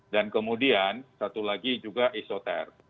dan kemudian satu lagi juga esoter